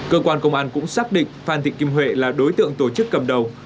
cơ quan công an cũng xác định phan thị kim huệ là đối tượng tổ chức cầm đầu